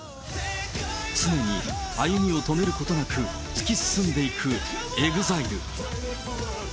常に歩みを止めることなく突き進んでいくＥＸＩＬＥ。